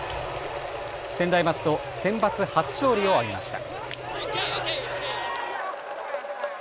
専大松戸、センバツ初勝利を挙げました。